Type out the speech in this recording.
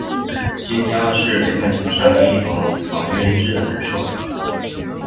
金雕是北半球上一种广为人知的猛禽。